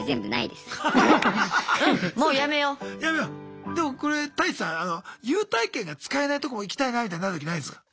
でもこれタイチさん優待券が使えないとこも行きたいなみたいになる時ないすか？